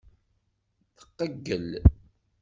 Tqeyyel.